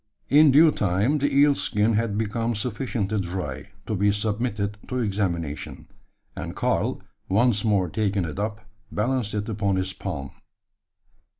In due time the eel skin had become sufficiently dry, to be submitted to examination; and Karl, once more taking it up, balanced it upon his palm.